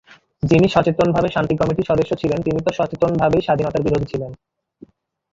যিনি সচেতনভাবে শান্তি কমিটির সদস্য ছিলেন, তিনি তো সচেতনভাবেই স্বাধীনতার বিরোধী ছিলেন।